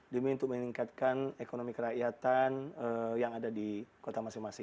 demi untuk meningkatkan ekonomi kerakyatan yang ada di kota masing masing